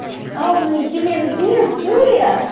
"Oh, my dear, dear Julia!"